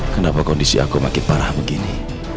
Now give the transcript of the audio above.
kenapa kondisi aku makin parah begini